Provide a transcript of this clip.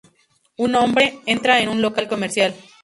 Un hombre entra en un local comercial.